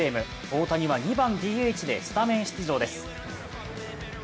大谷は２番ＤＨでスタメン出場です。